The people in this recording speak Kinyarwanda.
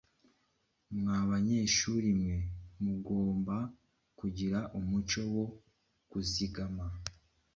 Mwa banyeshuri mwe, mugomba kugira umuco wo kuzigama.